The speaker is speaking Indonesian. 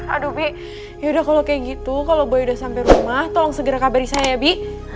aduh bi yaudah kalau kayak gitu kalau boleh udah sampai rumah tolong segera kabari saya ya bi